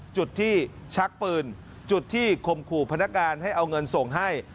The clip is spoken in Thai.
จุดที่ชักปืนจุดที่คมขู่พนักงานให้เอาเงินส่งให้